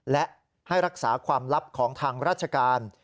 และให้รักษาความลับของทางราชการ